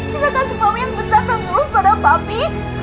cinta kasih mami yang besar dan lurus pada papi